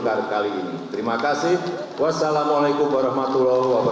kami ingin meminta ketua umum dpp partai golkar